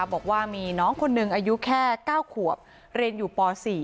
บอกว่ามีน้องคนหนึ่งอายุแค่๙ขวบเรียนอยู่ป๔